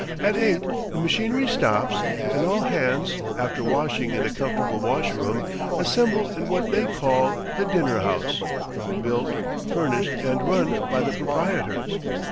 At eight the machinery stops, and all hands, after washing in a comfortable wash room, assemble in what they call the dinner house, built, furnished, and run by the proprietors.